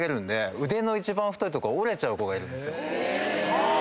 はぁ！